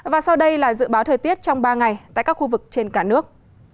và sau đây là dự báo thời tiết trong ba ngày tại các khu vực trên cả nước